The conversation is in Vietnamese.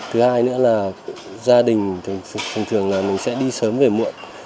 thứ hai nữa là gia đình thường thường là mình sẽ đi sớm về muộn